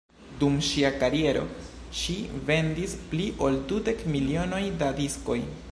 Dum ŝia kariero ŝi vendis pli ol dudek milionoj da diskoj.